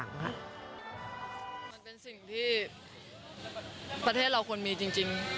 มันเป็นสิ่งที่ประเทศเราควรมีจริง